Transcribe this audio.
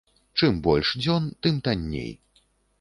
Чым больш дзён, тым танней.